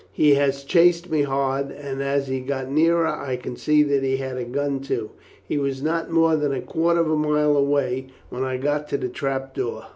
He has chased me hard, and as he got nearer I could see that he had a gun too. He was not more than a quarter of a mile away when I got to the trap door."